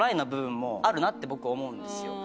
なって僕思うんですよ。